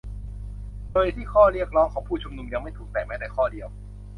โดยที่ข้อเรียกร้องของผู้ชุมนุมยังไม่ถูกแตะแม้แต่ข้อเดียว